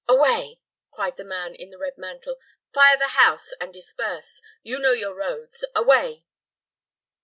"Away!" cried the man in the red mantle. "Fire the house, and disperse. You know your roads. Away!"